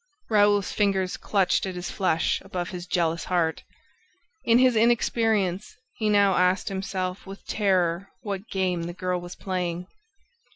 ... Raoul's fingers clutched at his flesh, above his jealous heart. In his inexperience, he now asked himself with terror what game the girl was playing?